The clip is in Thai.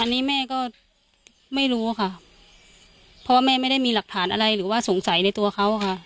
อันนี้แม่ก็ไม่รู้ค่ะเพราะว่าแม่ไม่ได้มีหลักฐานอะไรหรือว่าสงสัยในตัวเขาค่ะ